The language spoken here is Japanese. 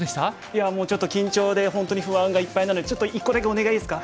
いやもうちょっと緊張で本当に不安がいっぱいなのでちょっと１個だけお願いいいですか？